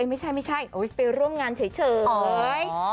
เอ้ยไม่ใช่ไปร่วมงานเฉย